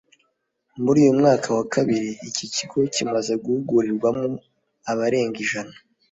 muri uyu mwaka wa kabiri iki kigo kimaze guhugurirwamoabarenga ijana